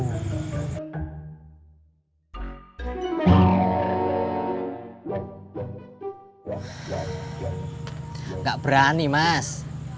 nggak berani mas